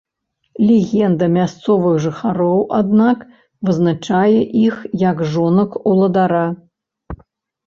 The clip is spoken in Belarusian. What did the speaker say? Легенда мясцовых жыхароў, аднак, вызначае іх як жонак уладара.